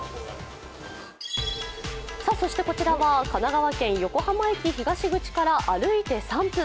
そしてこちらは神奈川県横浜駅東口から歩いて３分。